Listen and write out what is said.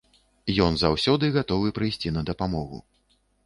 Ён заўсёды гатовы прыйсці на дапамогу.